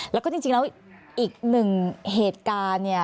แล้วก็จริงแล้วอีกหนึ่งเหตุการณ์เนี่ย